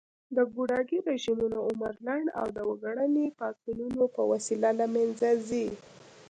د ګوډاګي رژيمونه عمر لنډ او د وګړني پاڅونونو په وسیله له منځه ځي